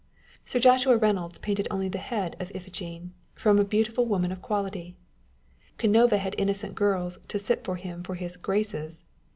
Sir Joshua Reynolds painted only the head of " Iphigene " from a beautiful woman of quality : Canova had innocent girls to sit to him for his " Graces."